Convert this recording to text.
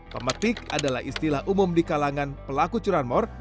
pemetik adalah istilah umum di kalangan pelaku curanmor